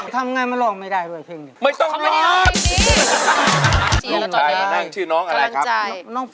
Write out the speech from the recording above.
ทำไงมันรองไม่ได้ด้วยเพลง